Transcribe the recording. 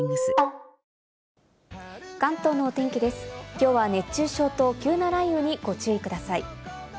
きょうは熱中症と急な雷雨にご注意ください。